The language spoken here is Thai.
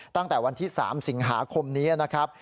ตั้งแต่วันที่๓สิงหาคมนี้นะครับ